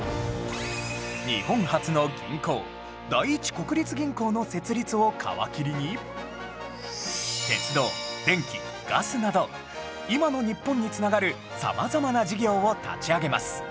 日本初の銀行第一国立銀行の設立を皮切りに鉄道電気ガスなど今の日本に繋がる様々な事業を立ち上げます